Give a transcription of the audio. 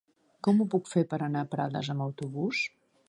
Com ho puc fer per anar a Prades amb autobús?